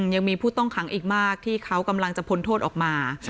ยังมีผู้ต้องขังอีกมากที่เขากำลังจะพ้นโทษออกมา